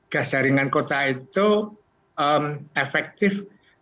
gas jaringan kota itu efektif